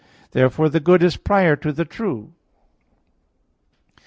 Therefore the good is prior to the true.